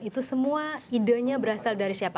itu semua idenya berasal dari siapa